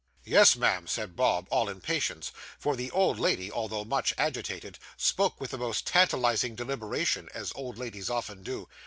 'Yes, ma'am,' said Bob, all impatience; for the old lady, although much agitated, spoke with the most tantalising deliberation, as old ladies often do.